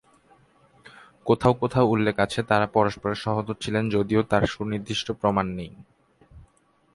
কোথাও কোথাও উল্লেখ আছে তারা পরস্পরের সহোদর ছিলেন যদিও তার সুনির্দিষ্ট প্রমাণ নেই।